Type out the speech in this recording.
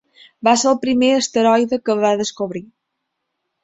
Va ser el primer asteroide que va descobrir.